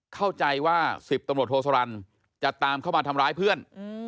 เข้าใจว่า๑๐ตำรวจโทสรรจะตามเข้ามาทำร้ายเพื่อน